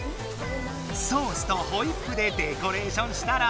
ソースとホイップでデコレーションしたら。